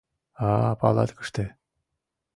«А-а, палаткыште!